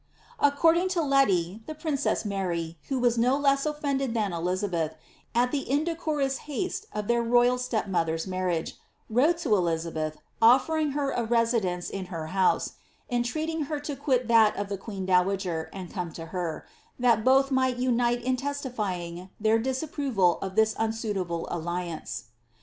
According to Leti, the princess Mary, who was no less offended than Elizabeth, at the indecorous haste of their royal stepmother's marriage, wrote to Elizabeth, oflfering her a residence in her house, entreating her to quit that of the queen dowager, and come to her« that both might unite in testifying their disapproval of this unsuitable alliance.